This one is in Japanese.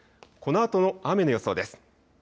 このあとの雨の予想です。